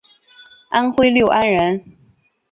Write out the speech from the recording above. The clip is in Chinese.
安徽六安人。